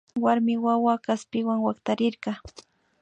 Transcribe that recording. Warmi wawa kaspiwa waktarirka